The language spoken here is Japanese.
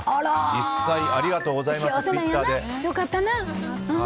実際ありがとうございます良かったな。